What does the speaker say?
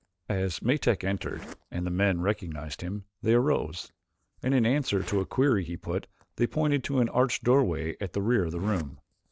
As Metak entered and the men recognized him they arose, and in answer to a query he put, they pointed to an arched doorway at the rear of the room.